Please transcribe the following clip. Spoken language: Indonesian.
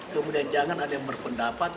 kemudian jangan ada yang berpendapat